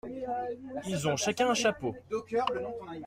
Ils ont chacun un chapeau.